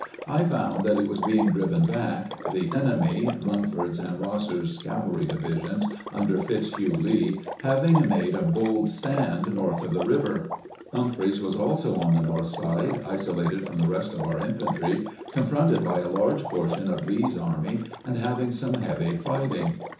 I found that he was being driven back, the enemy (Munford's and Eosser's cavalry divisions, under Fitzhugh Lee) having made a bold stand north of the river. Humphreys was also on the north side, isolated from the rest of our infantry, confronted by a large portion of Lee's army, and hav ing some heavy fighting.